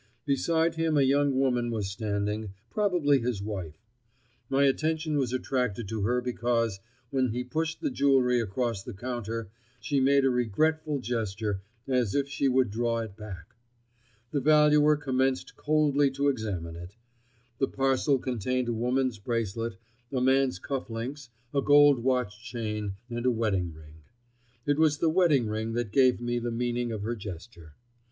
Beside him a young woman was standing—probably his wife. My attention was attracted to her because, when he pushed the jewelry across the counter, she made a regretful gesture, as if she would draw it back. The valuer commenced coldly to examine it. The parcel contained a woman's bracelet, a man's cuff links, a gold watch chain and a wedding ring. It was the wedding ring that gave me the meaning of her gesture.